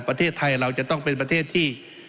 ประเทศไทยเราจะต้องเป็นประเทศที่